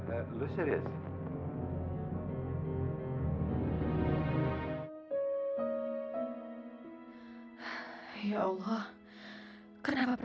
aisah vaitar pytas nya real